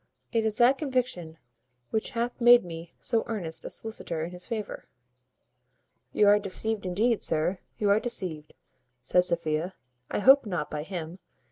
It is that conviction which hath made me so earnest a solicitor in his favour." "You are deceived indeed, sir; you are deceived," said Sophia. "I hope not by him.